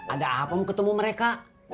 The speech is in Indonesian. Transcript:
ada apa mau ketemu mereka